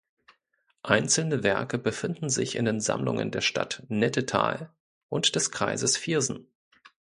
Einzelne Werke befinden sich in den Sammlungen der Stadt Nettetal und des Kreises Viersen.